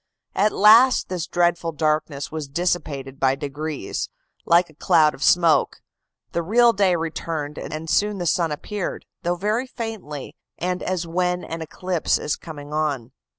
At last this dreadful darkness was dissipated by degrees, like a cloud of smoke; the real day returned, and soon the sun appeared, though very faintly, and as when an eclipse is coming on.